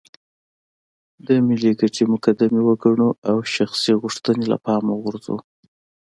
د ملي ګټې مقدمې وګڼو او شخصي غوښتنې له پامه وغورځوو.